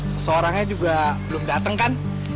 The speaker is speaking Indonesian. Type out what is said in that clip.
seseorangnya juga belum datang kan